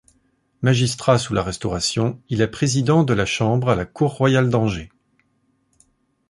Magistrat sous la Restauration, il est président de chambre à la Cour royale d'Angers.